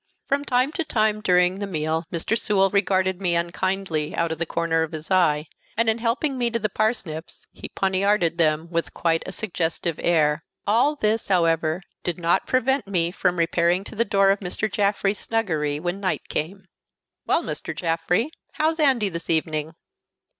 From time to time during the meal Mr. Sewell regarded me unkindly out of the corner of his eye, and in helping me to the parsnips he poniarded them with quite a suggestive air. All this, however, did not prevent me from repairing to the door of Mr. Jaffrey's snuggery when night came. "Well, Mr. Jaffrey, how's Andy this evening?"